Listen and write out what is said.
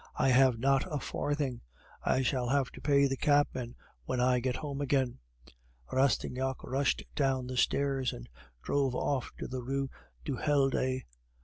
I have not a farthing; I shall have to pay the cabman when I get home again." Rastignac rushed down the stairs, and drove off to the Rue du Helder.